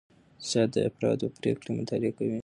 اقتصاد د افرادو پریکړې مطالعه کوي.